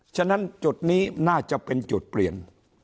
ฉะนั้นจุดนี้น่าจะเป็นจุดเปลี่ยน